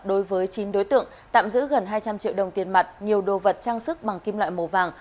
đối với chín đối tượng tạm giữ gần hai trăm linh triệu đồng tiền mặt nhiều đồ vật trang sức bằng kim loại màu vàng